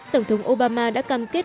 tổng thống obama đã cam kết